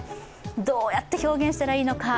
どうやって表現したらいいのか。